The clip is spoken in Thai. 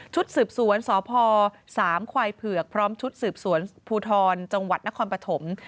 สืบสวนสพสามควายเผือกพร้อมชุดสืบสวนภูทรจังหวัดนครปฐม